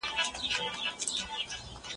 زه مخکي تمرين کړي وو.